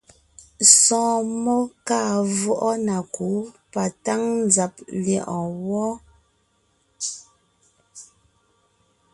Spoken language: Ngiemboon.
Sɔ̀ɔn mmó kàa vwɔʼɔ na kǔ patáŋ nzàb lyɛ̌ʼɔɔn wɔ́.